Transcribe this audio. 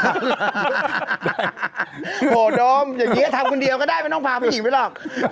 โอ้โหโดมอย่างนี้ก็ทำคนเดียวก็ได้ไม่ต้องพาผู้หญิงไปหรอก